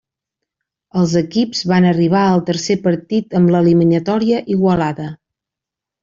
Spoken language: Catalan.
Els equips van arribar al tercer partit amb l'eliminatòria igualada.